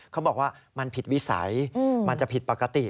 เขาบอกว่ามันผิดวิสัยมันจะผิดปกติ